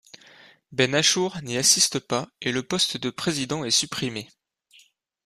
Ben Achour n'y assiste pas et le poste de président est supprimé.